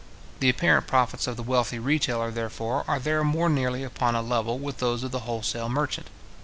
The apparent profits of the wealthy retailer, therefore, are there more nearly upon a level with those of the wholesale merchant.